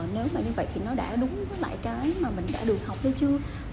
nếu như vậy thì nó đã đúng lại cái mà mình đã được học hay chưa